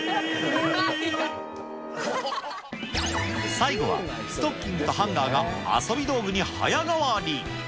最後は、ストッキングとハンガーが遊び道具に早変わり。